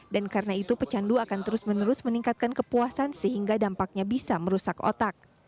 dan karena itu pecandu akan terus menerus meningkatkan kepuasan sehingga dampaknya bisa merusak otak